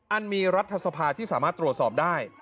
อันมีรัฐสภาที่สามารถตรวจสอบได้